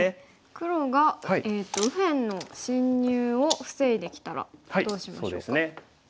黒が右辺の侵入を防いできたらどうしましょうか？